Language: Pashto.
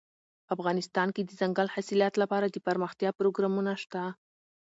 افغانستان کې د دځنګل حاصلات لپاره دپرمختیا پروګرامونه شته.